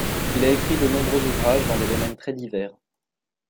Il a écrit de nombreux ouvrages dans des domaines très divers.